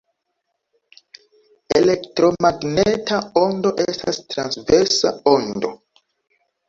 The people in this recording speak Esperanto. Elektromagneta ondo estas transversa ondo.